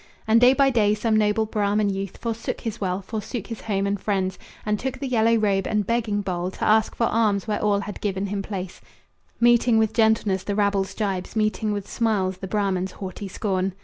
And day by day some noble Brahman youth Forsook his wealth, forsook his home and friends, And took the yellow robe and begging bowl To ask for alms where all had given him place, Meeting with gentleness the rabble's gibes, Meeting with smiles the Brahman's haughty scorn.